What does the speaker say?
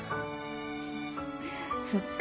そっか。